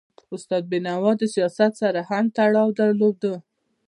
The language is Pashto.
استاد بینوا د سیاست سره هم تړاو درلود.